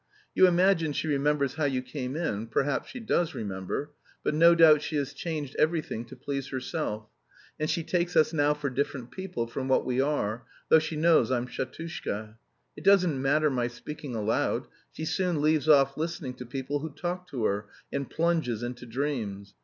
You imagine she remembers how you came in; perhaps she does remember, but no doubt she has changed everything to please herself, and she takes us now for different people from what we are, though she knows I'm 'Shatushka.' It doesn't matter my speaking aloud, she soon leaves off listening to people who talk to her, and plunges into dreams.